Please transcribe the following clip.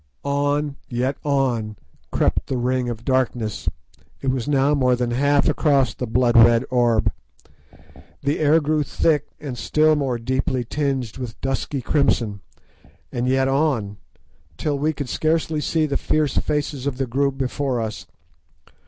On, yet on, crept the ring of darkness; it was now more than half across the blood red orb. The air grew thick, and still more deeply tinged with dusky crimson. On, yet on, till we could scarcely see the fierce faces of the group before us.